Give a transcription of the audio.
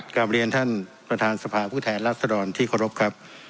กราบเรียนท่านประธานสภาพฤทธารัสรศรศรั่วที่ขอรบครับ